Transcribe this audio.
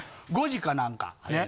５時かなんかね。